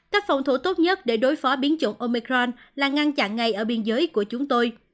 cách phòng thủ tốt nhất để đối phó biến chủng omicron là ngăn chặn ngay ở biên giới của chúng tôi